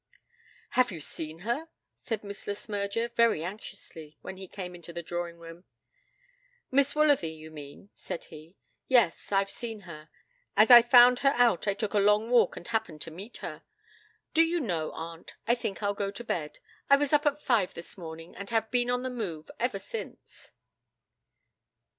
'Have you seen her?' said Miss Le Smyrger, very anxiously, when he came into the drawing room. 'Miss Woolsworthy you mean,' said he. 'Yes, I've seen her. As I found her out I took a long walk and happened to meet her. Do you know, aunt, I think I'll go to bed; I was up at five this morning, and have been on the move ever since.'